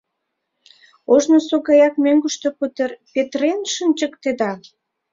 Ожнысо гаяк мӧҥгыштӧ петырен шинчыктеда?